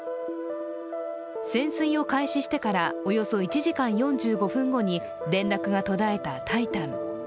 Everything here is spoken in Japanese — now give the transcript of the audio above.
潜水を開始してから、およそ１時間４５分後に連絡が途絶えた「タイタン」。